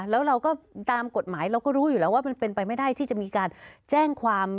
แล้วเราก็ตามกฎหมายเราก็รู้อยู่แล้วว่ามันเป็นไปไม่ได้ที่จะมีการแจ้งความ